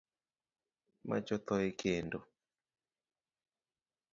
Mach otho e kendo